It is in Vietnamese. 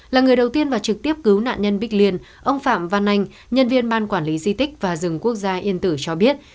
là người đầu tiên và trực tiếp cứu nạn nhân bích liên ông phạm văn anh nhân viên ban quản lý di tích và rừng quốc gia yên tử cho biết